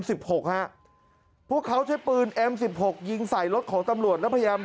ตอนนี้ก็ยิ่งแล้ว